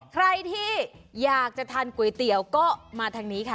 ใครที่อยากจะทานก๋วยเตี๋ยวก็มาทางนี้ค่ะ